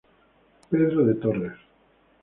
Pedro de Torres.